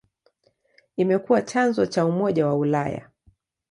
Imekuwa chanzo cha Umoja wa Ulaya.